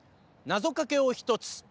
なぞかけを１つ。